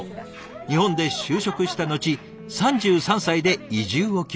日本で就職した後３３歳で移住を決めました。